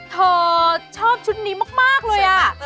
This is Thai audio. เธอชอบชุดนี้มากเลยอ่ะ